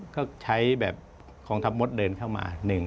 ก็ใช้แบบของทับมดเดินเข้ามาหนึ่ง